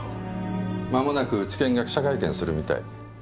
間もなく地検が記者会見するみたい。